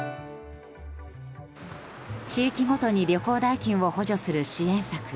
地域ごとに旅行代金を補助する支援策